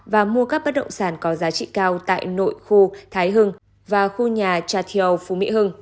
và mua các bất động sản có giá trị cao tại nội khu thái hưng và khu nhà tra thiều phú mỹ hưng